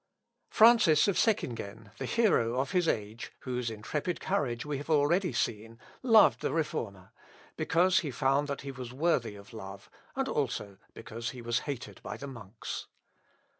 ] Francis of Seckingen, the hero of his age, whose intrepid courage we have already seen, loved the Reformer, because he found that he was worthy of love, and also because he was hated by the monks.